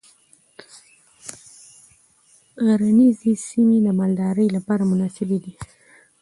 غرنیزې سیمې د مالدارۍ لپاره مناسبې دي.